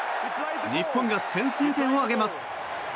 日本が先制点を挙げます。